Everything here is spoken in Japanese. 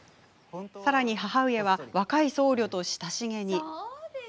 さらに母上は若い僧侶と親しげに。